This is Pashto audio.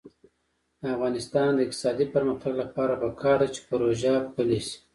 د افغانستان د اقتصادي پرمختګ لپاره پکار ده چې پروژه پلي شي.